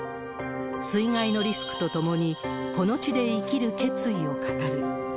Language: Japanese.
水害のリスクとともに、この地で生きる決意を語る。